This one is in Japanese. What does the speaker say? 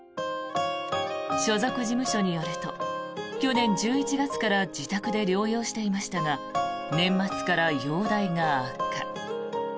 所属事務所によると去年１１月から自宅で療養していましたが年末から容体が悪化。